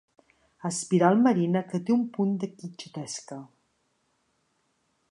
Espiral marina que té un punt de quixotesca.